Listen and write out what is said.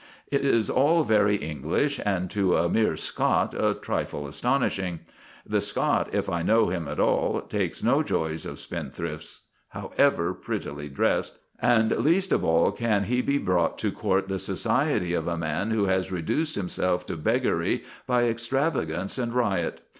It is all very English, and to a mere Scot a trifle astonishing. The Scot, if I know him at all, takes no joys of spendthrifts, however prettily dressed, and, least of all, can he be brought to court the society of a man who has reduced himself to beggary by extravagance and riot.